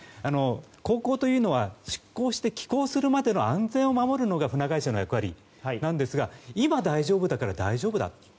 航行というのは出港して帰港するまで安全を守るのが船会社の役割なんですが今大丈夫だから大丈夫だ。